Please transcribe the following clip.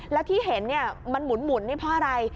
แล้วที่เห็นมันหมุนนี่เพราะอะไร